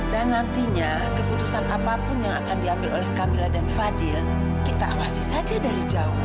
dan nantinya keputusan apapun yang akan diambil oleh kamila dan fadil kita awasi saja dari jauh